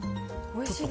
おいしい。